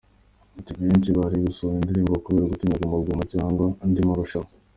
Ati “Benshi bari gusohora indirimbo kubera gutinya Guma Guma cyangwa andi marushanwa.